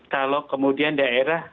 kalau kemudian daerah